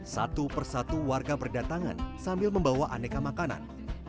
satu persatu warga berdatangan sambil membawa aneka makanan